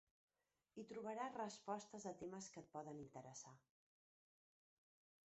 Hi trobaràs respostes a temes que et poden interessar.